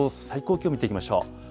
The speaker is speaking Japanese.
最高気温見ていきましょう。